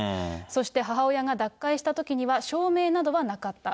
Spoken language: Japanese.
そして、母親が脱会したときには、証明などはなかった。